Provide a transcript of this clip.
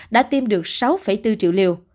đã tiêm được sáu bốn triệu liều